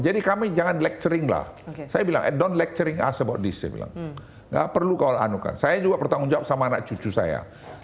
jadi kami jangan lecturing lah saya bilang eh don't lecturing us about this gak perlu kau anukan saya juga bertanggung jawab sama anak cucu saya